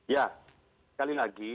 ya sekali lagi